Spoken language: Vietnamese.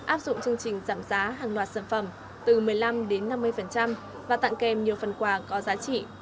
áp dụng chương trình giảm giá hàng loạt sản phẩm từ một mươi năm đến năm mươi và tặng kèm nhiều phần quà có giá trị